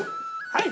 はい！